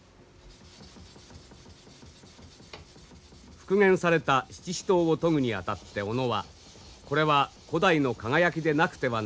復元された七支刀を研ぐにあたって小野は「これは古代の輝きでなくてはならぬ」と考えた。